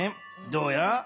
どうや？